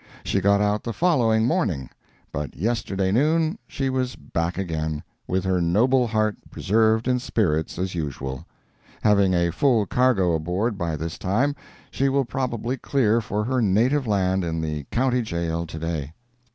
She got out the following morning, but yesterday noon she was back again, with her noble heart preserved in spirits, as usual. Having a full cargo aboard by this time, she will probably clear for her native land in the County Jail to day.